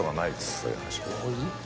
そういう話。